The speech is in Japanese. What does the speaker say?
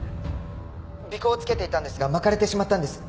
尾行をつけていたんですがまかれてしまったんです！